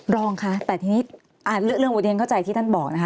รองค่ะแต่ทีนี้เรื่องบทเรียนเข้าใจที่ท่านบอกนะคะ